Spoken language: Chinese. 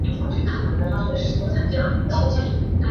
推动产业化